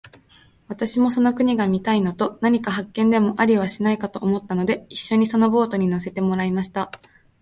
私もその国が見たいのと、何か発見でもありはしないかと思ったので、一しょにそのボートに乗せてもらいました。